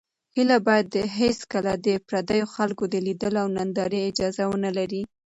هیله باید هېڅکله د پردیو خلکو د لیدلو او نندارې اجازه ونه لري.